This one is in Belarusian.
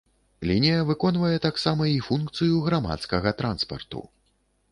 Лінія выконвае таксама і функцыю грамадскага транспарту.